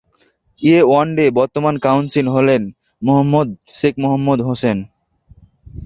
এ ওয়ার্ডের বর্তমান কাউন্সিলর হলেন শেখ মোহাম্মদ হোসেন।